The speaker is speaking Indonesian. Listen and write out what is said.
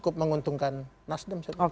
cukup menguntungkan nasdem